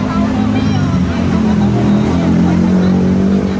รถไม่ได้ที่จะเชิญขาอยู่แล้ว